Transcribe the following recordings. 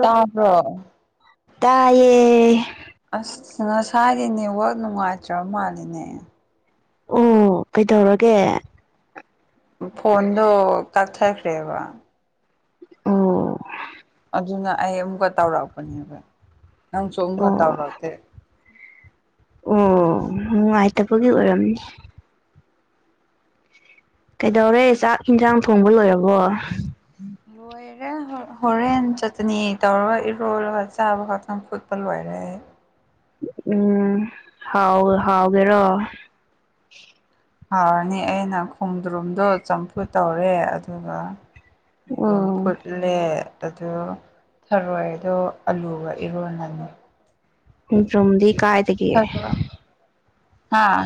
ꯇꯥ ꯍ꯭ꯔꯣ ꯇꯌꯦ ꯑꯁ ꯉꯁꯥꯏꯒꯤ ꯅꯦꯠꯋꯥꯛ ꯅꯨꯡꯉꯥꯏꯇ꯭ꯔꯕ ꯃꯥꯜꯜꯂꯤꯅꯦ ꯑꯣ ꯀꯩꯗꯧꯔꯒꯦ ꯐꯣꯟꯗꯣ ꯀꯛꯊꯈ꯭ꯔꯦꯕ ꯑꯣ ꯑꯗꯨꯅ ꯑꯩ ꯑꯃꯨꯛꯀ ꯇꯧꯔꯛꯄꯅꯦꯕ ꯅꯪꯁꯨ ꯑꯃꯨꯛꯀ ꯑꯣ ꯇꯧꯔꯛꯇꯦ ꯑꯣ ꯅꯨꯡꯉꯥꯏꯇꯕꯒꯤ ꯑꯣꯏꯔꯝꯅꯦ ꯀꯩꯗꯧꯔꯦ ꯆꯥꯛ ꯌꯦꯟꯁꯥꯡ ꯊꯣꯡꯕ ꯂꯣꯏꯔꯕꯣ ꯂꯣꯏꯔꯦ ꯍꯣꯔꯦꯟ ꯆꯇꯅꯤ ꯇꯧꯔꯒ ꯏꯔꯣꯂꯒ ꯆꯥꯕ ꯈꯛꯇꯪ ꯐꯨꯠꯄ ꯂꯣꯏꯔꯦ ꯑꯗꯨ ꯎꯝ ꯍꯥꯎ ꯍꯥꯎꯒꯦꯔꯣ ꯍꯥꯎꯔꯅꯤ ꯑꯩꯅ ꯈꯣꯡꯗ꯭ꯔꯨꯝꯗꯣ ꯆꯝꯐꯨ ꯇꯧꯔꯦ ꯑꯗꯨꯒ ꯌꯦꯨꯝ ꯎꯝ ꯐꯨꯠꯂꯦ ꯑꯗꯨꯗꯣ ꯊꯔꯣꯏꯗꯣ ꯑꯂꯨꯒ ꯏꯔꯣꯜꯂꯅꯤ ꯔꯣꯝꯗꯤ ꯀꯥꯏꯗꯒ ꯍꯥꯥ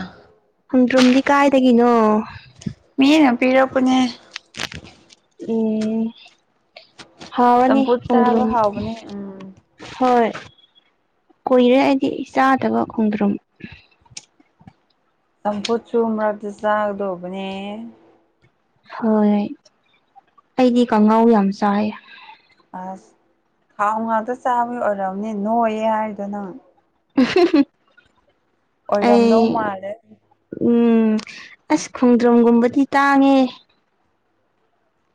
ꯍꯨꯝꯗ꯭ꯔꯨꯝꯗꯤ ꯀꯥꯏꯗꯒꯤꯅꯣ ꯃꯤꯅ ꯄꯤꯔꯛꯄꯅꯦ ꯑꯦ ꯆꯝꯐꯨꯠ ꯆꯥꯕ ꯍꯋꯥꯅꯤꯣ ꯍꯥꯎꯕꯅꯦ ꯎꯝ ꯍꯣꯏ ꯀꯨꯏꯔꯦ ꯍꯥꯏꯗꯤ ꯆꯥꯗꯕ ꯈꯣꯡꯗ꯭ꯔꯨꯝ ꯆꯝꯐꯨꯠ ꯆꯨ ꯃꯔꯛꯇ ꯆꯥꯒꯗꯧꯕꯅꯦ ꯍꯣꯏꯣꯏ ꯑꯩꯗꯤ ꯀꯥꯡꯉꯥꯎ ꯌꯥꯝ ꯆꯥꯏ ꯑꯁ ꯊꯥꯎ ꯉꯥꯛꯇ ꯆꯥꯕꯒꯤ ꯑꯣꯏꯔꯝꯅꯤ ꯅꯣꯏꯌꯦ ꯍꯥꯏꯗꯨꯅ [unintelligible] ꯑꯩ ꯑꯣꯏꯔꯝꯗꯧ ꯃꯥꯜꯂꯦ ꯎꯝ ꯑꯁ ꯈꯣꯡꯗ꯭ꯔꯝꯒꯨꯝꯕꯗꯤ ꯇꯥꯡꯉꯦ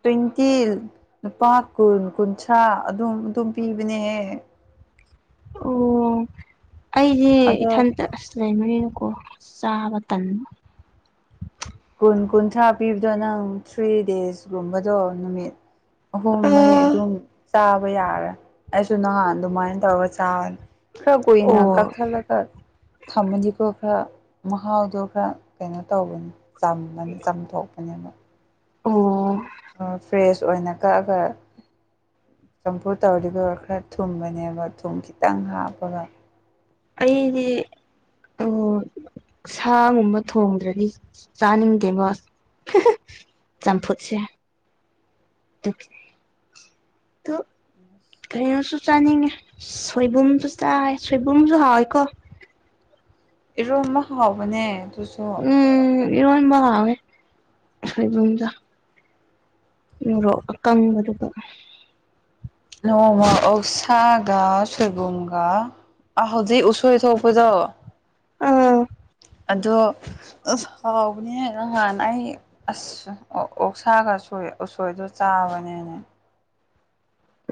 ꯇ꯭ꯋꯦꯟꯇꯤ ꯂꯨꯄꯥ ꯀꯨꯟ ꯀꯨꯟꯊ꯭ꯔꯥ ꯑꯗꯨꯝ ꯑꯗꯨꯝ ꯄꯤꯕꯅꯦꯍꯦ [unintelligible] ꯑꯣ ꯑꯩꯁꯦ ꯑꯗꯣ ꯏꯊꯟꯇ ꯑꯁ ꯂꯩꯕꯅꯤꯅꯀꯣ ꯆꯥꯎꯕꯇꯟ ꯀꯨꯟ ꯀꯨꯟꯊ꯭ꯔꯥ ꯄꯤꯕꯗꯣ ꯅꯪ ꯊ꯭ꯔꯤ ꯗꯦꯖꯀꯨꯝꯕꯗꯣ ꯅꯨꯃꯤꯠ ꯑꯍꯨꯝ ꯃꯔꯤ ꯑꯣ ꯑꯗꯨꯝ ꯆꯥꯕ ꯌꯥꯔꯦ ꯑꯩꯁꯨ ꯅꯍꯥꯟ ꯑꯗꯨꯃꯥꯏꯅ ꯇꯧꯔꯒ ꯆꯥꯕꯅꯤ ꯀꯣꯏꯅ ꯀꯥꯛꯁꯂꯒꯥ ꯊꯝꯃꯗꯤꯀꯣ ꯈꯔ ꯃꯍꯥꯎꯗꯣ ꯈꯔ ꯀꯩꯅꯣ ꯇꯧꯕꯅꯤ ꯆꯝꯕꯅꯤ ꯆꯥꯝꯊꯣꯛꯄꯅꯦꯅ ꯑꯣ ꯐ꯭ꯔꯦꯁ ꯑꯣꯏꯅ ꯀꯛꯑꯒ ꯆꯝꯐꯨ ꯇꯧꯔꯗꯤꯒ ꯈꯔ ꯊꯨꯝꯕꯅꯦꯕ ꯊꯨꯝ ꯈꯤꯇꯪ ꯍꯥꯞꯄꯒ ꯑꯩꯗꯤ ꯑꯣ ꯑꯣ ꯁꯥꯒꯨꯝꯕ ꯊꯣꯡꯗ꯭ꯔꯗꯤ ꯆꯥꯅꯤꯡꯗꯦꯕꯣ ꯆꯝꯐꯨꯁꯦ [unintelligible] ꯀꯩꯅꯣꯁꯨ ꯆꯥꯅꯤꯡꯉꯦ ꯁꯣꯏꯕꯨꯝꯁꯨ ꯆꯥꯏ ꯁꯣꯏꯕꯨꯝꯁꯨ ꯍꯥꯎꯋꯦꯀꯣ ꯏꯔꯣ ꯑꯃ ꯍꯥꯎꯕꯅꯦ ꯑꯗꯨꯁꯨ ꯍꯔꯣ ꯑꯣꯏꯅ ꯃꯦ ꯑꯩ ꯎꯔꯣ ꯑꯀꯪꯕꯗꯨ ꯅꯃ ꯑꯣꯁꯒꯥ ꯁꯣꯏꯒꯨꯡꯒꯥꯥ ꯑꯥ ꯍꯧꯖꯤꯛ ꯎꯁꯣꯏ ꯊꯣꯛꯣꯛꯄꯗꯣ ꯑ [unintelligible] ꯑꯗꯣ ꯑꯁ ꯍꯥꯎꯕꯅꯦ ꯅꯉꯥꯟꯅ ꯑꯩ ꯑꯁ ꯑꯣꯛꯁꯥꯒ ꯁꯣꯏ ꯎꯁꯣꯏꯗꯨꯣ ꯆꯥꯕꯅꯦꯅꯦ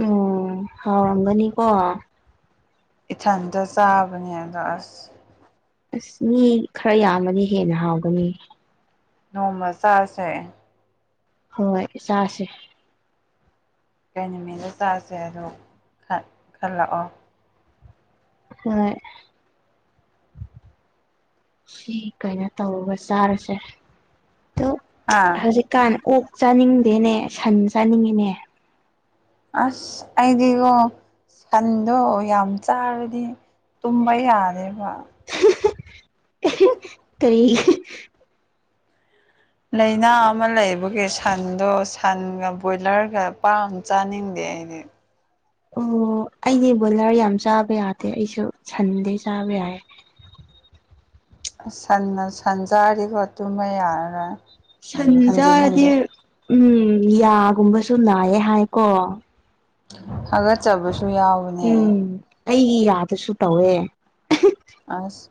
ꯎꯝ ꯍꯥꯎꯒꯅꯤ ꯀꯣ ꯏꯊꯟꯇ ꯆꯥꯕꯅꯦ ꯑꯗꯣ ꯑꯁ ꯑꯁ ꯃꯤ ꯈꯔ ꯌꯥꯝꯃꯅꯤ ꯍꯦꯟꯅ ꯍꯥꯎꯒꯅꯤ ꯅꯣꯡꯃꯁꯥꯁꯦ ꯍꯣꯏ ꯆꯥꯁꯦ ꯀꯩ ꯅꯨꯃꯤꯗ ꯆꯥꯁꯦ ꯑꯗꯨꯣ ꯈꯜꯂꯛꯑꯣ ꯍꯣꯏ ꯁꯤ ꯀꯩꯅꯣ ꯇꯧꯔꯒ ꯆꯥꯔꯁꯦ ꯑꯗꯣ ꯑꯥ ꯍꯧꯖꯤꯛꯀꯥꯟ ꯑꯣꯛ ꯆꯥꯅꯤꯡꯗꯦꯅꯦ ꯁꯟ ꯆꯥꯅꯤꯡꯉꯤꯅꯦ ꯑꯁ ꯑꯩꯗꯤꯀꯣ ꯁꯟꯗꯣ ꯌꯥꯝ ꯆꯥꯔꯗꯤ ꯇꯨꯝꯕ ꯌꯥꯔꯦꯕ ꯀꯔꯤ ꯂꯩꯥꯏꯅꯥ ꯑꯃ ꯂꯩꯕꯒꯤ ꯁꯟꯗꯣ ꯁꯟꯒ ꯕꯣꯏꯂꯔꯒ ꯄꯥꯝ ꯆꯥꯅꯤꯡꯗꯦ ꯏꯅꯦ ꯑꯣ ꯑꯩꯗꯤ ꯕꯣꯏꯂꯔ ꯌꯥꯝ ꯆꯥꯕ ꯌꯥꯗꯦ ꯑꯩꯁꯨ ꯁꯟꯗꯦ ꯆꯥꯕ ꯌꯥꯏꯦ ꯎ ꯁ ꯁꯟꯖꯥꯔꯤꯕꯔꯤꯕꯣ ꯇꯨꯝꯃꯦ ꯌꯥꯔ ꯁꯟꯖꯔꯗꯤ ꯎꯝ ꯌꯥꯒꯨꯝꯕ ꯁꯨꯝ ꯅꯥꯏꯌꯦꯦ ꯍꯥꯏꯀꯣ ꯑꯒꯔ ꯆꯕꯁ ꯎꯝ ꯑꯩꯒꯤ ꯌꯥꯗꯁꯨ ꯇꯧꯋꯦ ꯑꯁ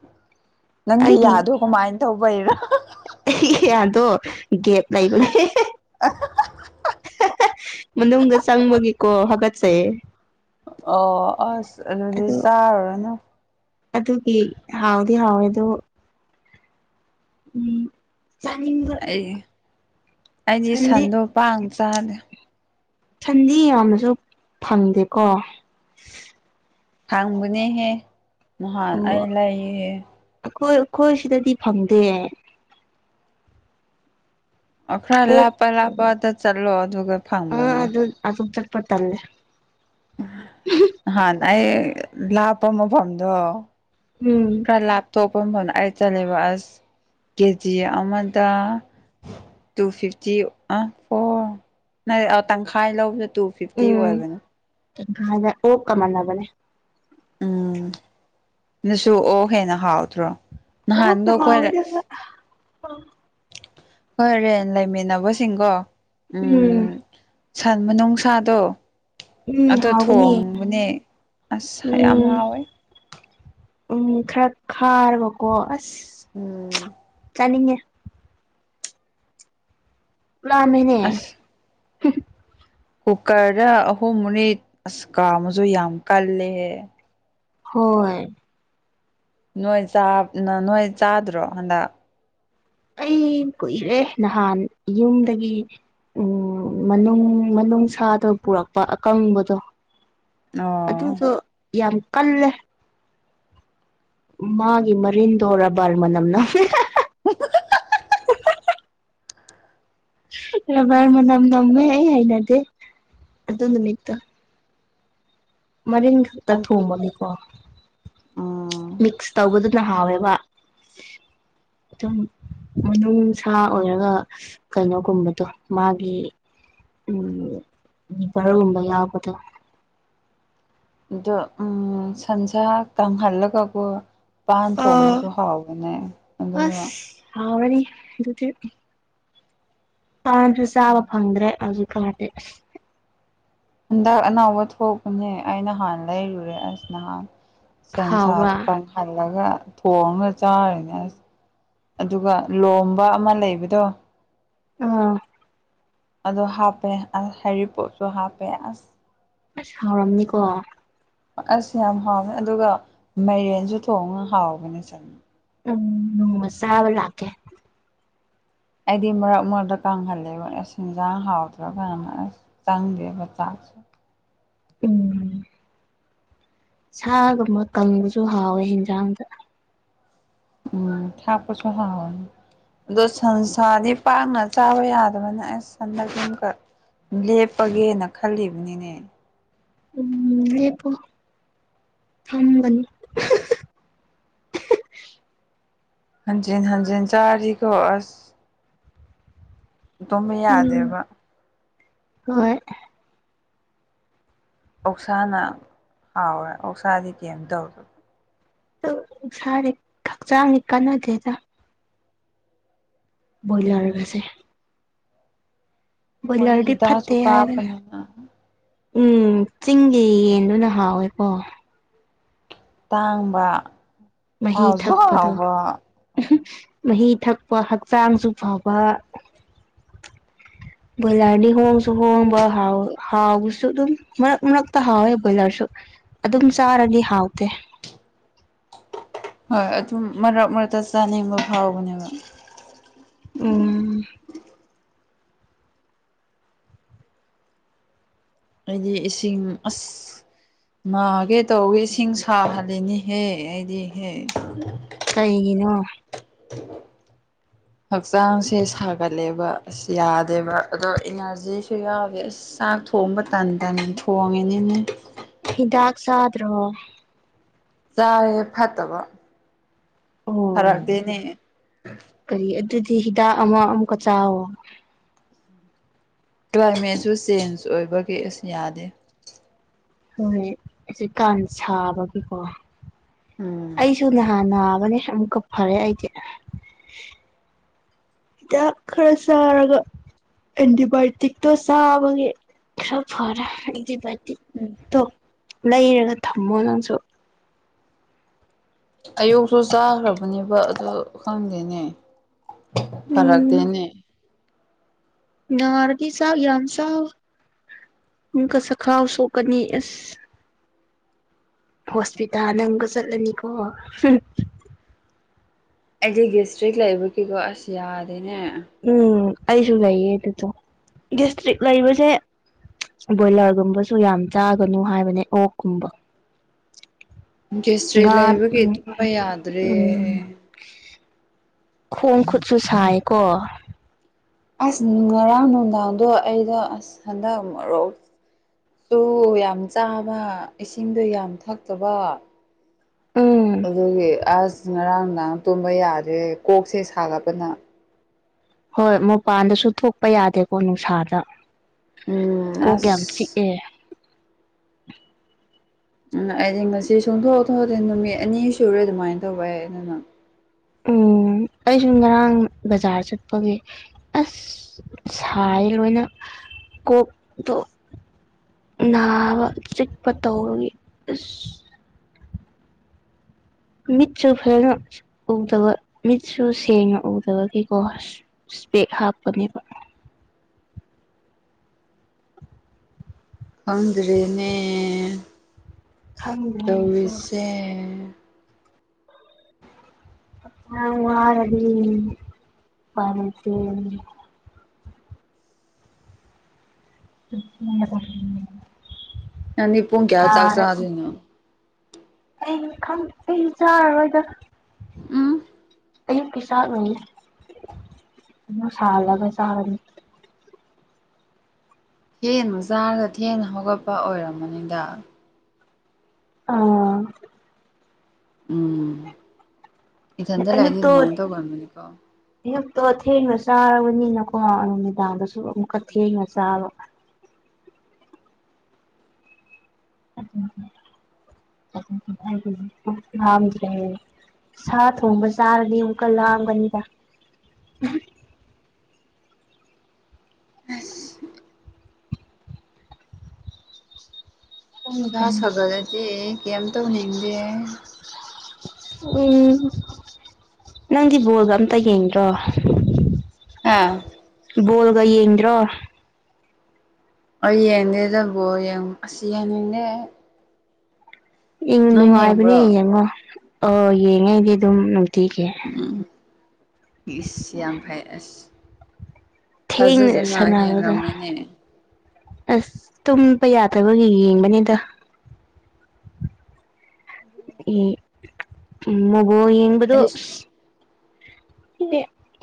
ꯅꯪꯁ ꯌꯥꯗꯣ ꯀꯃꯥꯏꯅ ꯇꯧꯕꯩꯔꯥ ꯏꯌꯥꯗꯣ ꯒꯦꯞ ꯂꯩꯕꯅꯦ ꯃꯅꯨꯡꯗ ꯆꯪꯕꯒꯤꯀꯣ ꯍꯥꯒꯠꯆꯩ ꯑꯣ ꯑꯁ ꯑꯗꯨꯗꯤ ꯑꯗꯣ ꯆꯥꯔꯨꯔꯅꯨ ꯌꯥꯑꯣꯦꯗꯣ ꯎꯝ ꯆꯅꯤꯡ ꯑꯩ ꯑꯩꯗꯤ ꯁꯟꯗꯣ ꯄꯥꯡ ꯆꯥꯅꯦ ꯁꯟꯗꯤ ꯌꯥꯝꯅꯁꯨ ꯐꯪꯗꯦꯀꯣ ꯊꯥꯡꯕꯅꯦꯍꯦ ꯃꯍꯥꯟ ꯑꯣ ꯑꯩ ꯂꯩꯥꯏꯌꯦꯍꯦ ꯑꯩꯈꯣꯏ ꯑꯩꯈꯣꯏ ꯁꯤꯗꯗꯤ ꯐꯪꯗꯦ ꯈꯔ ꯑꯣꯛ ꯂꯥꯞꯄ ꯂꯥꯞꯄꯗ ꯆꯠꯂꯣ ꯑꯗꯨꯒ ꯐꯪꯕꯅꯦ ꯄ ꯇꯜꯂꯦ ꯍꯥꯟꯅ ꯑꯩ ꯂꯥꯞꯄ ꯃꯐꯝꯗꯣ ꯎꯝ ꯐ ꯂꯕ ꯇꯧꯄ ꯆ ꯕꯁ ꯀꯦꯖꯤ ꯑꯃꯗ ꯇꯨ ꯐꯤꯐꯇꯤ ꯑ ꯐꯣ ꯅ ꯇꯪꯈꯥꯏ ꯂꯧꯕꯗ ꯇꯨ ꯐꯤꯐꯇꯤ ꯑꯣꯏꯕꯅꯦ ꯖ ꯑꯣ ꯀꯃꯜꯂꯕꯅꯦ ꯎꯝ ꯅꯁꯨ ꯑꯣ ꯍꯦꯟꯅ ꯍꯥꯎꯗ꯭ꯔꯣ ꯅꯥꯟꯗ ꯑꯣꯛꯅ ꯀꯣꯏꯔ ꯍꯥꯎꯋꯤꯗ ꯍꯣꯏꯣꯔꯦꯟ ꯂꯩꯃꯤꯟꯅꯕꯁꯤꯡꯒꯣ ꯎꯝ ꯁꯟ ꯅꯨꯡꯁꯥꯗꯣ ꯎꯝ ꯑꯗꯣ ꯍꯥꯎꯒꯅꯤ ꯊꯣꯡꯕꯅꯦ ꯑꯁ ꯌꯥꯝ ꯎꯝ ꯍꯥꯎꯋꯦ ꯎꯝ ꯈꯔ ꯈꯥꯔꯕꯀꯣ ꯑꯁ ꯎꯝ ꯅꯤꯡꯉ ꯃꯤꯅꯦ ꯑꯁ ꯀꯨꯀꯔꯗ ꯑꯍꯨꯝꯅꯤ ꯑꯁ ꯀꯥꯃꯁꯨ ꯌꯥꯝ ꯀꯜꯂꯦꯍꯦ ꯍꯣꯏ ꯅꯣꯏ ꯅꯣꯏ ꯆꯥꯗ꯭ꯔꯣ ꯍꯟꯗꯛ ꯑꯩ ꯀꯨꯏꯔꯦ ꯅꯍꯥꯟ ꯌꯨꯝꯗꯒꯤ ꯎꯝ ꯃꯅꯨꯡ ꯃꯅꯨꯡ ꯁꯥꯗꯣ ꯄꯨꯔꯛꯄ ꯑꯀꯪꯕꯗꯣ ꯑꯣ ꯑꯗꯨꯗꯣ ꯌꯥꯝ ꯀꯜꯂꯦ ꯃꯥꯒꯤ ꯃꯔꯤꯟꯣꯣꯔꯕꯥꯜꯃ ꯅꯝꯅ [inaudible] ꯔꯕꯔ ꯑꯁ ꯃꯅꯥꯝ ꯅꯝꯃꯦ ꯍꯥꯏꯅꯗꯤꯦ ꯑꯗꯨꯗꯨꯅꯤꯛꯇ ꯃꯔꯤꯟ ꯈꯛꯇ ꯊꯣꯡꯃꯅꯤꯀꯣ ꯎꯝ ꯃꯤꯛꯁ ꯇꯧꯕꯗꯨꯅ ꯍꯥꯎꯋꯦꯕ ꯑꯗꯨꯝ ꯃꯅꯨꯡꯅꯨꯡꯁꯥ ꯑꯣꯏꯔꯒ ꯀꯩꯅꯣꯒꯨꯝꯕꯗꯣ ꯃꯥꯒꯤ ꯎꯝꯚꯔꯒꯨꯝꯝꯕ ꯌꯥꯎꯕꯗ ꯑꯗꯣ ꯎ ꯁꯟꯁꯥ ꯇꯥꯡꯍꯜꯂꯒꯀ ꯄꯥꯟ ꯑꯥ ꯊꯣꯡꯕꯁꯨ ꯍꯥꯎꯕꯅꯦ ꯑꯗꯨꯒ ꯍꯕꯅꯤꯛꯇ ꯥꯟꯁꯨ ꯆꯥꯕ ꯐꯪꯗ꯭ꯔꯦ ꯍꯧꯖꯤꯛꯀꯥꯟꯗꯤ ꯍꯟꯗꯛ ꯑꯅꯥꯎꯕ ꯊꯣꯛꯄꯅꯦ ꯑꯩ ꯅꯍꯥꯟ ꯂꯩꯔꯨꯔꯦ ꯑꯁ ꯅꯍꯥꯟ ꯍꯥꯎꯕ꯭ꯔꯥ ꯁꯟꯁꯥꯔ ꯀꯪꯍꯜꯂꯒ ꯊꯣꯡꯉꯒ ꯆꯥꯔꯅꯦ ꯑꯁ ꯑꯗꯨꯒ ꯂꯣꯝꯕ ꯑꯃ ꯂꯩꯕꯗꯣ ꯑꯥ ꯑꯗꯣ ꯍꯥꯞꯄꯦ ꯑꯁ ꯍꯦꯔꯤꯄꯣꯞꯁꯨ ꯍꯥꯞꯄꯦ ꯑꯁ ꯑ ꯍꯥꯎꯔꯝꯅꯤꯀꯣ ꯑꯁ ꯌꯥꯝ ꯍꯥꯎꯅꯤ ꯑꯗꯨꯒ ꯃꯥꯏꯔꯦꯟꯁꯨ ꯊꯣꯡꯉꯒ ꯍꯥꯎꯕꯅꯦ ꯆꯠꯉ ꯎꯝ ꯎꯁꯕ ꯂꯥꯛꯀꯦ ꯑꯩꯗꯤ ꯃꯔꯛ ꯃꯔꯛꯇ ꯀꯪꯍꯜꯂꯦꯕ ꯁꯦꯟꯖꯥꯡ ꯍꯥꯎꯗ꯭ꯔꯀꯥꯟꯅ ꯑꯁ ꯆꯪꯗꯦꯕ ꯆꯥꯛ [inaudible] ꯎꯝ ꯁꯥꯒꯨꯝꯕ ꯀꯪꯕꯁꯨ ꯍꯥꯎꯋꯦ ꯌꯦꯟꯖꯥꯡꯗ ꯎꯝ ꯊꯥ ꯄꯁꯨ ꯍ ꯑꯗꯣ ꯁꯟꯁꯥꯗꯤ ꯄꯥꯛꯅ ꯆꯥꯕ ꯌꯥꯗꯕꯅꯤꯅ ꯑꯦꯁ ꯁꯟꯗꯀ ꯂꯦꯞꯄꯒꯦꯅ ꯈꯜꯂꯤꯕꯅꯤꯅꯦ ꯎꯝ ꯑ ꯄꯣ ꯑꯝꯕꯅꯤ [inaudible] ꯍꯖꯤ ꯍꯖꯤ ꯆꯥꯀꯣ ꯑꯁ ꯇꯨꯝꯝꯕ ꯎꯝ ꯌꯥꯗꯦꯕ ꯍꯣꯏ ꯑꯣꯁꯥꯅ ꯍꯥꯎꯋꯦ ꯑꯣꯧꯁꯥꯗꯤ ꯀꯩꯝ ꯇꯧꯗꯕ ꯁꯔꯦ ꯈꯛ ꯆꯥꯡꯀꯅꯗꯦꯗ ꯏꯂꯔꯒꯁꯦ ꯃꯣꯏꯗꯤ ꯕꯣꯂꯔꯗꯤ ꯐꯠꯇꯦ ꯍꯤꯗꯥꯛꯁꯨ ꯍꯥꯏꯕꯅ ꯀꯥꯞꯄꯅꯤꯅ ꯎꯝ ꯆꯤꯡꯒꯤ ꯌꯦꯟꯗꯨꯅ ꯍꯥꯎꯋꯦꯀꯣ ꯇꯥꯡꯕ ꯃꯍꯤ ꯍꯥꯎꯖꯣ ꯊꯛꯄꯗꯣ ꯍꯥꯎꯕ ꯃꯍꯤ ꯊꯛꯄ ꯍꯛꯆꯥꯡꯁꯨ ꯐꯕ ꯕꯂꯔꯅꯤ ꯍꯣꯁꯨ ꯍ ꯍꯥꯎ ꯍꯥꯎꯁꯨ ꯑꯗꯨꯝ ꯃꯛꯇ ꯍꯥꯎꯦ ꯂꯔꯁꯨ ꯑꯗꯨꯝ ꯆꯥꯔꯗꯤ ꯍꯥꯎꯇꯦ [inaudible] ꯍꯣꯏ ꯑꯗꯨꯝ ꯃꯔꯛ ꯃꯔꯛꯇ ꯆꯥꯅꯤꯡꯕ ꯐꯥꯎꯕꯅꯦꯕ ꯎꯝ ꯍꯥꯏꯗꯤ ꯏꯁꯤꯡ ꯑꯁ ꯃꯥꯒꯦ ꯇꯧꯋꯤ ꯏꯁꯤꯡ ꯁꯥꯍꯜꯂꯤꯅꯤꯍꯦ ꯑꯩꯗꯤ ꯍꯦ ꯀꯩꯒꯤꯅꯣ [inaudible] ꯍꯛꯆꯥꯡꯁꯦ ꯁꯥꯒꯠꯂꯦꯕ ꯑꯁ ꯌꯥꯗꯦꯕ ꯑꯗꯣ ꯏꯅꯔꯖꯤꯁꯨ ꯌꯥꯎꯋꯦ ꯑꯁ ꯆ ꯊꯣꯡꯕ ꯇ ꯇꯟ ꯊꯣꯡꯉꯦꯅꯤꯅꯦ ꯏꯥꯛꯁꯗ꯭ꯔꯣ ꯆꯥꯦ ꯐꯠꯇꯕ ꯑꯣ ꯐꯔꯛꯇꯦꯅꯦ ꯀꯔꯤ ꯑꯗꯨꯗꯤ ꯍꯤꯗꯥꯛ ꯑꯃ ꯑꯃꯨꯛꯀ ꯆꯥꯋꯣ ꯀ꯭ꯂꯥꯏꯃꯦꯠꯁꯨ ꯆꯦꯟꯖ ꯑꯣꯏꯕꯒꯤ ꯑꯁ ꯌꯥꯗꯦ ꯍꯣꯏꯣꯏ ꯑꯩꯀꯥꯟ ꯁꯥꯕꯒꯤꯀꯣ ꯎꯝ ꯑꯩꯁꯨ ꯅꯍꯥꯟ ꯑꯅꯦ ꯑꯃꯀ ꯐꯔꯦꯏꯗꯤꯦ ꯍꯤꯗꯥꯛ ꯈꯔ ꯆꯥꯔꯒ ꯑꯦꯟꯇꯤꯕꯥꯌꯣꯇꯤꯛꯇꯣ ꯆꯥꯕꯒꯤ ꯈ ꯐꯔ ꯕꯇ ꯇꯣ ꯂꯩꯔꯒ ꯊꯝꯃꯣ ꯅꯪꯁꯨ ꯑꯌꯨꯛꯁꯨ ꯆꯥꯈ꯭ꯔꯕꯅꯦꯕ ꯑꯗꯨ ꯈꯪꯗꯦꯅꯦ ꯐꯔꯛꯇꯦꯅꯦ ꯅꯔꯤ ꯁꯥꯕ ꯝ ꯁꯥꯕ ꯏꯀ ꯁ ꯈꯥꯎ ꯁꯣꯛꯀꯅꯤ ꯑꯦꯁ ꯍꯣꯁꯄꯤꯇꯥꯜ ꯅꯪꯒ ꯆꯠꯂꯅꯤꯀꯣ ꯑꯩꯗꯤ ꯗꯤꯁꯇ꯭ꯔꯤꯛ ꯂꯩꯕꯒꯤꯀꯣ ꯑꯁ ꯌꯥꯗꯦꯅꯦ ꯎꯝ ꯑꯁꯨꯨ ꯂꯩꯥꯏꯌꯦ ꯇꯦꯁꯇ ꯂꯩꯥꯏꯕꯁꯦ ꯕꯣꯏꯂꯔꯒꯨꯝꯕꯁꯨ ꯌꯥꯝ ꯆꯥꯒꯅꯨ ꯍꯥꯏꯕꯅꯦ ꯑꯣꯛꯀꯨꯝꯕ ꯒꯦꯁꯇ꯭ꯔꯤꯛ ꯉ ꯂꯩꯕꯒꯤ ꯇꯨꯝꯕ ꯌꯥꯗ꯭ꯔꯦ ꯎ ꯎꯝ ꯈꯣꯡ ꯈꯨꯠꯁꯨ ꯁꯥꯏꯀꯣ ꯑꯁ ꯉꯔꯥꯡ ꯅꯨꯡꯗꯥꯡꯗꯣ ꯑꯩꯗꯣ ꯑꯁ ꯍꯟꯗꯛ ꯃꯔꯣꯛ ꯆꯨ ꯌꯥꯝ ꯆꯥꯕ ꯏꯁꯤꯡꯗꯣ ꯌꯥꯝ ꯊꯛꯇꯕ ꯎꯝ ꯑꯗꯨꯒꯤ ꯑꯁ ꯉꯔꯥꯡꯗꯥꯥꯡ ꯇꯨꯝꯕ ꯌꯥꯗ꯭ꯔꯦ ꯀꯣꯛꯁꯦ ꯁꯥꯒꯠꯄꯅ ꯍꯣꯏ ꯃꯄꯥꯟꯗꯁꯨ ꯊꯣꯛꯄ ꯌꯥꯗꯦꯀꯣ ꯅꯨꯡꯁꯥꯗ ꯎꯝ ꯀꯒꯦꯝ ꯑꯁ ꯆꯠꯦ ꯎꯝ ꯑꯩꯗꯤ ꯉꯁꯤ ꯁꯣꯡꯊꯣꯛꯑꯊꯦ ꯅꯨꯃꯤꯠ ꯑꯅꯤ ꯁꯨꯔꯦ ꯑꯗꯨꯃꯥꯏꯅ ꯇꯧꯕ ꯌꯥꯏ ꯑꯗꯨꯅ [unintelligible] ꯎꯝ ꯑꯩꯁꯨ ꯉꯔꯥꯡ ꯕꯖꯥꯔ ꯆꯠꯄꯒꯤ ꯑꯁ ꯁꯥꯏ ꯂꯣꯏꯅ ꯀꯣꯛꯇ ꯅꯥꯕ ꯆꯤꯛꯄ ꯇꯔꯒꯤ ꯑꯁ ꯃꯤꯠꯁꯨ ꯐꯔꯅ ꯎꯗꯕ ꯃꯤꯠꯁꯨ ꯁꯦꯡꯅ ꯎꯗꯕ ꯀꯀꯣ ꯄꯦꯛ ꯍꯥꯞꯄꯅꯦꯕ [unintelligible] ꯐꯪꯗ꯭ꯔꯦꯅꯦ ꯈꯪꯗ꯭ꯔꯦ ꯑꯩꯁꯨ ꯇꯧꯔꯤꯁꯦ ꯑ ꯋꯥꯔꯗꯤ ꯃꯔꯔꯗꯤ ꯇ ꯑꯅꯤ ꯄꯨꯡ ꯀꯌꯥ ꯆꯥꯛꯆꯥ ꯑꯗꯨꯅꯣ ꯑ ꯈ ꯑ ꯆꯔ ꯋꯥꯗ ꯑ ꯑꯌꯨꯛꯀꯤ ꯆꯥꯛꯅꯤ ꯑꯗꯨ ꯁꯥꯜꯂꯒ ꯆꯥꯕꯅꯤ ꯊꯦꯟ ꯃ ꯆꯥꯔꯒ ꯊꯦꯅ ꯍꯧꯒꯠꯄ ꯑꯣꯏꯔꯝꯃꯅꯤꯗ ꯑꯥ ꯎꯝ ꯏꯊꯟꯇ ꯂꯥꯛꯏꯗꯤ ꯑꯗꯨꯃꯥꯏꯅ ꯇꯧꯒꯕꯅꯤꯀꯣ ꯑꯣ ꯊꯦꯡꯅ ꯆꯥꯔꯕꯅꯤꯅꯀꯣ ꯅꯨꯃꯤꯗꯥꯡꯗꯁꯨ ꯑꯃꯨꯛꯀ ꯊꯦꯡꯅ ꯆꯥꯕ ꯖ ꯁꯥ ꯊꯣꯡꯕ ꯆꯥꯔꯅꯤ ꯑꯃꯨꯛꯀ ꯂꯥꯛꯑꯒꯅꯤꯗ ꯑꯁ ꯎꯝ ꯏꯁꯥ ꯁꯥꯒꯠꯂꯗꯤꯦ ꯀꯩꯝ ꯇꯧꯅꯤꯡꯗꯦ ꯎꯝ ꯅꯪꯗꯤ ꯕꯣꯜꯒ ꯑꯝꯇ ꯌꯦꯡꯗ꯭ꯔꯣ ꯑꯥ ꯀꯌꯦꯡꯗ꯭ꯔꯣ ꯑꯩ ꯌꯦꯡꯅꯦꯦ ꯇꯕꯣ ꯑꯁꯤ ꯌꯦꯡꯅꯤꯡꯅꯦꯦ ꯅꯨꯡꯉꯥꯏꯕꯅꯦ ꯌꯦꯡꯉꯣ ꯑ ꯌꯦꯡꯉꯦꯗꯤ ꯑꯗꯨꯝ ꯅꯨꯡꯇꯤꯒꯤ ꯎꯝ ꯁꯤ ꯌꯥꯝ ꯐꯩ ꯑꯁ ꯊꯦꯡꯅ ꯊꯥꯖꯗꯅ ꯁꯥꯟꯅꯕꯗꯣ ꯌꯦꯡꯔꯝꯃꯦꯅꯦ ꯑꯁ ꯇꯨꯝꯕ ꯌꯥꯗꯕꯒꯤ ꯌꯦꯡꯕꯅꯤꯗ ꯑꯗꯨꯦ ꯃꯒꯨ ꯌꯦꯟꯕꯗꯨ [unintelligible]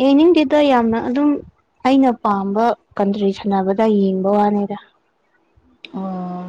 ꯌꯥꯅꯤꯡꯗꯗ ꯌꯥꯝꯅ ꯑꯗꯨꯝ ꯑꯩꯅ ꯄꯥꯝꯕ ꯀꯟꯇ꯭ꯔꯤ ꯁꯥꯟꯅꯕꯗ ꯌꯦꯡꯕ ꯋꯥꯅꯤꯗ ꯑꯣ